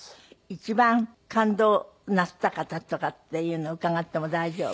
一番感動なすった方とかっていうのを伺っても大丈夫？